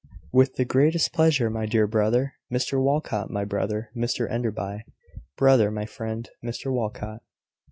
"With the greatest pleasure, my dear brother. Mr Walcot, my brother, Mr Enderby. Brother, my friend, Mr Walcot."